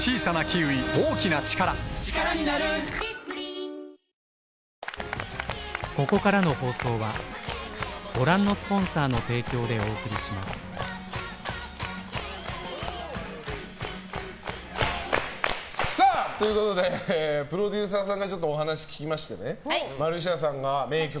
「ビオレ」ということでプロデューサーさんからお話を聞きましてマルシアさんが名曲